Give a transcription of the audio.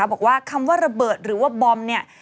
บอกว่าคำว่าระเบิดหรือว่าบอมเนี่ย